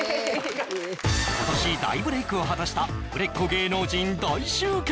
今年大ブレイクを果たした売れっ子芸能人大集結